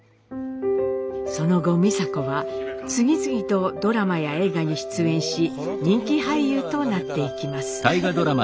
その後美佐子は次々とドラマや映画に出演し人気俳優となっていきます。